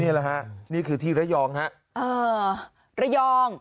นี่แหละฮะนี่คือที่ระยองฮะระยอง